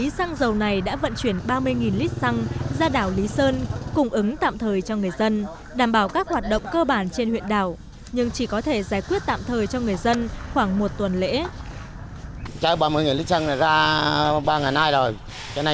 sau nhiều ngày thiếu nhân liệu đại lý xăng dầu này đã vận chuyển ba mươi lít xăng ra đảo lý sơn